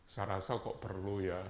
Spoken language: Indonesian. saya rasa kok perlu ya